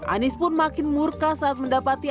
anies pun makin murka saat mendapati